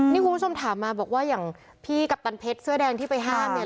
นี่คุณผู้ชมถามมาบอกว่าอย่างพี่กัปตันเพชรเสื้อแดงที่ไปห้ามเนี่ย